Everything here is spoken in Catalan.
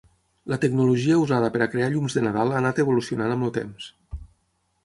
La tecnologia usada per a crear llums de Nadal ha anat evolucionant amb el temps.